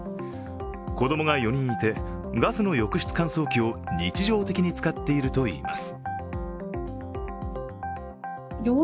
子供が４人いて、ガスの浴室乾燥機を日常的に使っているといいます。